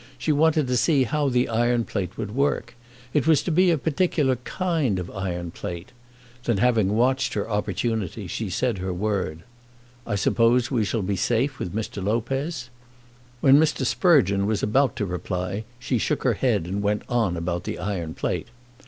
She wanted to see how the iron plate would work. It was to be a particular kind of iron plate. Then, having watched her opportunity, she said her word, "I suppose we shall be safe with Mr. Lopez?" When Mr. Sprugeon was about to reply, she shook her head and went on about the iron plate.